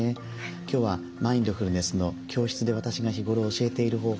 今日はマインドフルネスの教室で私が日頃教えている方法